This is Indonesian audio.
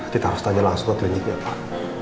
kita harus tanya langsung ke greeningnya pak